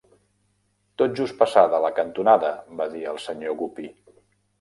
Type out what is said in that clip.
"Tot just passada la cantonada", va dir el Sr. Guppy.